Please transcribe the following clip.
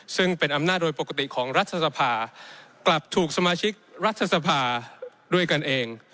ซึ่งเป็นอำนาจโดยปกติของรัฐสภากลับถูกสมาชิกรัฐสภาด้วยกันเอง